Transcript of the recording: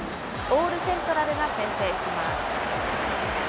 オール・セントラルが先制します。